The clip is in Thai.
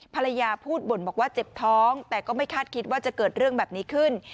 พูดบ่นบอกว่าเจ็บท้องแต่ก็ไม่คาดคิดว่าจะเกิดเรื่องแบบนี้ขึ้น